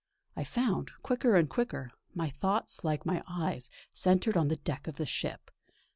I found, quicker and quicker, my thoughts like my eyes, centred on the deck of the ship.